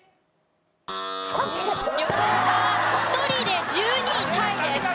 旅行は１人で１２位タイです。